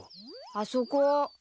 あそこ。